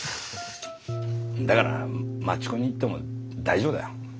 だから街コン行っても大丈夫だよ。